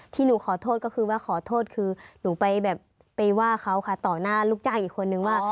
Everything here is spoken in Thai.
ที่หนูขอโทษก็คือว่าขอโทษคือหนูไปแบบไปว่าเขาค่ะต่อหน้าลูกจ้างอีกคนนึงว่า